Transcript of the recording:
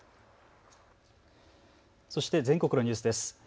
そして全国のニュースです。